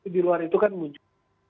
di luar itu kan muncul